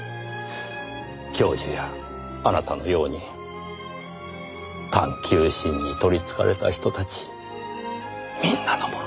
教授やあなたのように探究心に取りつかれた人たちみんなのものですよ。